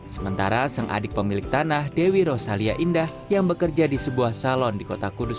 sementara sang adik pemilik tanah dewi rosalia indah yang bekerja di sebuah salon di kota kudus